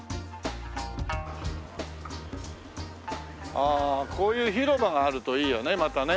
ああこういう広場があるといいよねまたね。